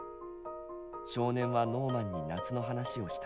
少年はノーマンに夏の話をした。